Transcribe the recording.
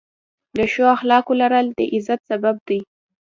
د ښو اخلاقو لرل، د عزت سبب دی.